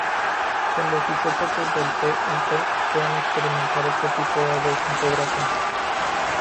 Con los isótopos del Te al Te, puede experimentar este tipo de desintegración.